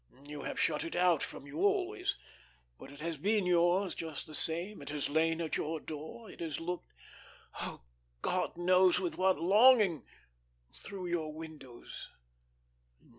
You have shut it out from you always. But it has been yours, just the same; it has lain at your door, it has looked oh, God knows with what longing! through your windows.